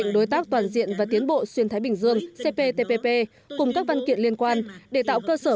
đối tác toàn diện và tiến bộ xuyên thái bình dương cptpp cùng các văn kiện liên quan để tạo cơ sở